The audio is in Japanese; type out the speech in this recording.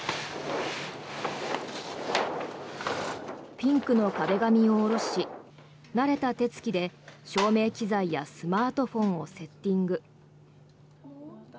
ピンクの壁紙を下ろし慣れた手付きで照明機材やスマートフォンをセッティング。